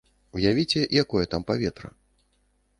Уявіце, якое там паветра.